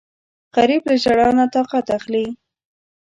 غریب له ژړا نه طاقت اخلي